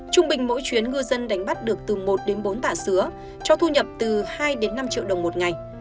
trung bình mỗi chuyến ngư dân đánh bắt được từ một bốn tả sứa cho thu nhập từ hai năm triệu đồng một ngày